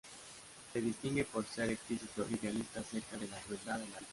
Se distingue por ser explícito y realista acerca de la crueldad de la vida.